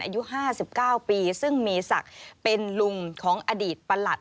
อายุห้าสิบเก้าปีซึ่งมีศักดิ์เป็นลุงของอดีตประหลัด